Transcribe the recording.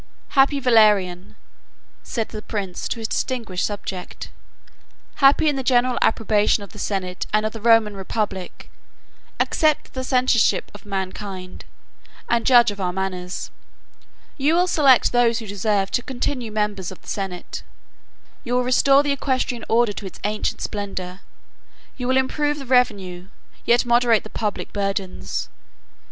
"Happy Valerian," said the prince to his distinguished subject, "happy in the general approbation of the senate and of the Roman republic! Accept the censorship of mankind; and judge of our manners. You will select those who deserve to continue members of the senate; you will restore the equestrian order to its ancient splendor; you will improve the revenue, yet moderate the public burdens.